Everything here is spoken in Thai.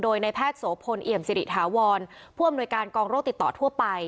โดยในแพทย์โสพลเอี่ยมสิริถาวรผู้อำนวยการกองโรคติดต่อทั่วไป